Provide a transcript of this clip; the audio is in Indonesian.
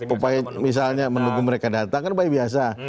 upaya misalnya menunggu mereka datang kan upaya biasa